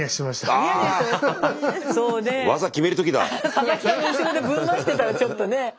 佐々木さんの後ろでぶん回してたらちょっとね。